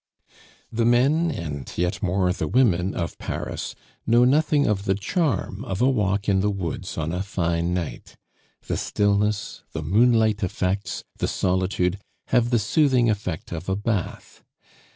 The men, and yet more the women of Paris, know nothing of the charm of a walk in the woods on a fine night. The stillness, the moonlight effects, the solitude, have the soothing effect of a bath.